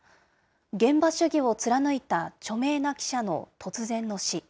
現場主義を貫いた著名な記者の突然の死。